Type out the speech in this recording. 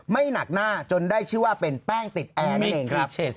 หนักหน้าจนได้ชื่อว่าเป็นแป้งติดแอร์นั่นเองครับ